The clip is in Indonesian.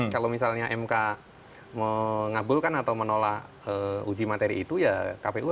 kalau misalnya mk mengabulkan atau menolak uji materi itu ya kpu